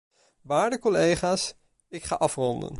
Waarde collega's, ik ga afronden.